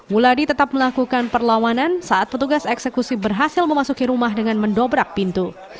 wuladi tetap melakukan perlawanan saat petugas eksekusi berhasil memasuki rumah dengan mendobrak pintu